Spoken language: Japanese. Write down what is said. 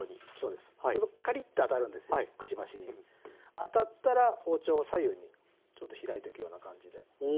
当たったら包丁を左右にちょっと開いていくような感じで。